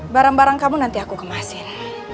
barang barang kamu nanti aku kemasin